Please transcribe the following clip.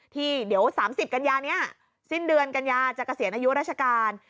ที่เดี๋ยว๓๐กันยานี้สิ้นเดือนกัญญาจะเกษียณอายุราชการ